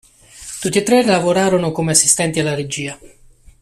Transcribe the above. Tutti e tre lavorarono come assistenti alla regia.